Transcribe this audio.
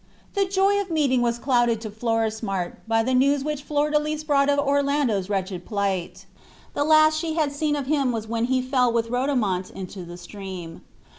The joy of meeting was clouded to Florismart by the news which Flordelis brought of Orlando's wretched plight. The last she had seen of him was when he fell with Rodomont into the stream.